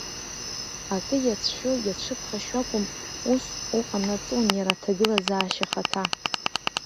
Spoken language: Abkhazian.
Акы иацәшәо, иацәыԥхашьо акәым, ус уҟанаҵон иара аҭагылазаашьа ахаҭа.